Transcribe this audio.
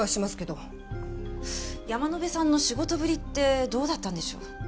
山野辺さんの仕事ぶりってどうだったんでしょう？